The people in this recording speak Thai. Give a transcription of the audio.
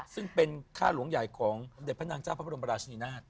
ซึ่งเป็นค่าหลวงใหญ่ของเด็จพระนางเจ้าพระบรมราชนีนาฏ